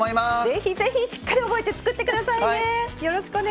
ぜひぜひ、しっかり覚えて作ってくださいね！